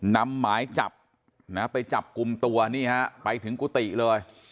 หมายจับนะไปจับกลุ่มตัวนี่ฮะไปถึงกุฏิเลย